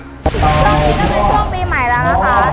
ตอนนี้ก็เป็นช่วงปีใหม่แล้วนะคะ